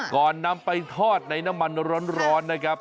ก่อนนำไปทอดในน้ำมันร้อนนะครับ